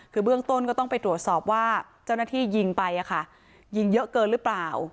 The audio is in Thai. คือเบื้องต้นก็ต้องไปตรวจสอบว่าเจ้าหน้าที่ยิงไปยิงเยอะเกินหรือเปล่า